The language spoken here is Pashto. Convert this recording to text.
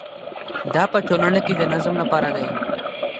دا په ټولنه کې د نظم لپاره دی.